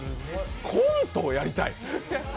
コントをやりたい。